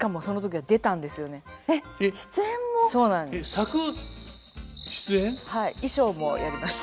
はい衣装もやりました。